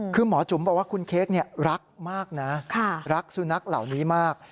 คือหมอจุ๋มบอกว่าคุณเค้กรักมากนะรักสุนัขเหล่านี้มาก